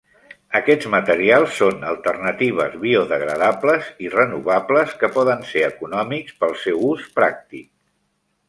Aquests materials són alternatives biodegradables i renovables, que poden ser econòmics pel seu ús pràctic.